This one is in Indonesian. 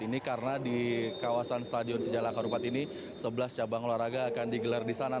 ini karena di kawasan stadion sejala karupat ini sebelas cabang olahraga akan digelar di sana